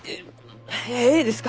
えいですか？